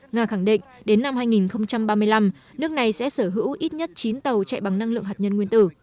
nga khẳng định đến năm hai nghìn ba mươi năm nước này sẽ sở hữu ít nhất chín tàu chạy bằng năng lượng hạt nhân nguyên tử